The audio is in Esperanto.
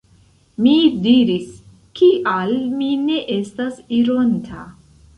Mi diris; “Kial mi ne estas ironta? »